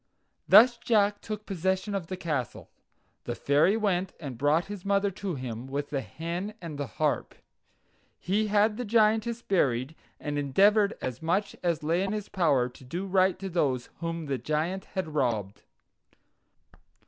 Thus Jack took possession of the castle. The Fairy went and brought his mother to him, with the hen and the harp. He had the Giantess buried, and endeavored as much as lay in his power to do right to those whom the Giant had robbed.